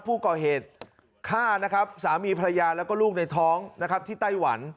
ผู้ก่อเหตุฆ่านะครับสามีภรรยาแล้วก็ลูกในท้องนะครับที่ไต้หวัน